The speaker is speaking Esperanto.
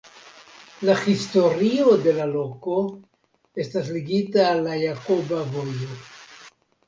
La historio de la loko estas ligita al la Jakoba Vojo.